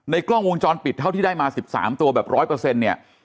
กล้องวงจรปิดเท่าที่ได้มา๑๓ตัวแบบ๑๐๐เนี่ย